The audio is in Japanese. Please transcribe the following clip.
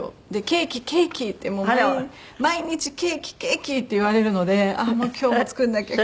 「ケーキケーキ」ってもう毎日「ケーキケーキ」って言われるので今日も作らなきゃ。